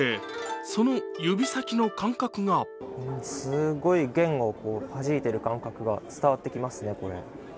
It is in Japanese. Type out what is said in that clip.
その指先の感覚がっｔすごい、弦を弾いている感覚が伝わってきますね。